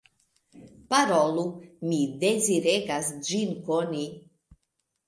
Parolu; mi deziregas ĝin koni.